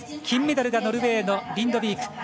金メダルがノルウェーリンドビーク。